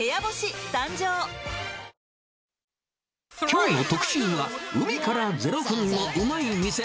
きょうの特集は、海から０分のウマい店。